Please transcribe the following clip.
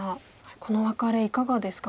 このワカレいかがですか？